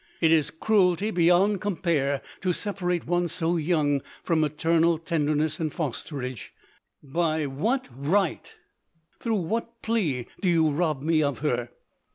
It is cruelty beyond compare, to separate one so young from maternal tenderness and fosterage. By what right — through what plea, do you rob me of her?